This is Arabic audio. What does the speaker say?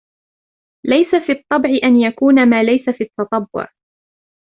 لَيْسَ فِي الطَّبْعِ أَنْ يَكُونَ مَا لَيْسَ فِي التَّطَبُّعِ